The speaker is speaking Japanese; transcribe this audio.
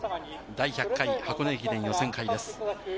第１００回箱根駅伝予選会です。